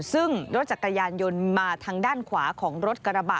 ซึ่งรถจักรยานยนต์มาทางด้านขวาของรถกระบะ